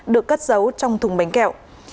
được cất giấu trong thùng bánh kẹo